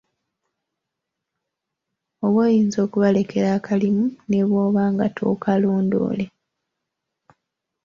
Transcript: Oba oyinza okubalekera akalimu ne bw'oba nga tookalondoole.